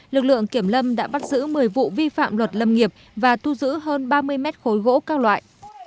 lực lượng kiểm lâm đã bắt giữ một mươi vụ vi phạm luật lâm nghiệp và thu giữ hơn ba mươi mét khối gỗ các loại